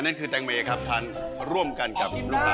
อันนั้นคือแตงเมฆครับถ่านร่วมกันกับลูกตาล